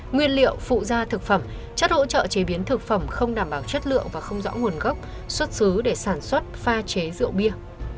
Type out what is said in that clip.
một mươi một nguyên liệu phụ ra thực phẩm chất hỗ trợ chế biến thực phẩm không đảm bảo chất lượng và không rõ nguồn gốc xuất xứ để sản xuất pha chế rượu bia